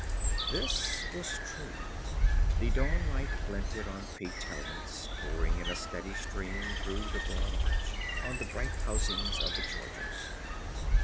This was true. The dawnlight glinted on peaked helmets pouring in a steady stream through the broad arch, on the bright housings of the chargers.